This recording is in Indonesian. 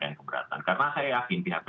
yang keberatan karena saya yakin pihak pihak